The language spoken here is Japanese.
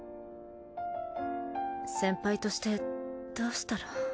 先輩としてどうしたら。